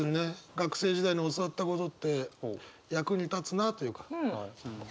学生時代に教わったことって役に立つなというか。